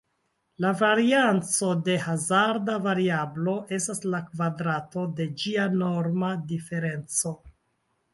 La varianco de hazarda variablo estas la kvadrato de ĝia norma diferenco.